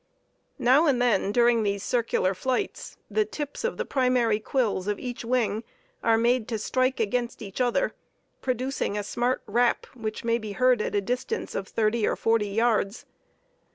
Now and then, during these circular flights, the tips of the primary quills of each wing are made to strike against each other, producing a smart rap, which may be heard at a distance of thirty or forty yards.